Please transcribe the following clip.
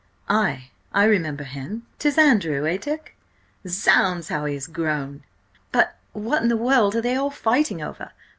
"Ay, I remember him–'tis Andrew, eh, Dick? Zounds! how he has grown! But what in the world are they all fighting over?